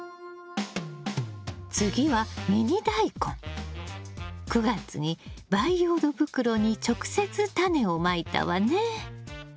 次は９月に培養土袋に直接タネをまいたわね。